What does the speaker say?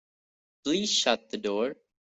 Please shut the door.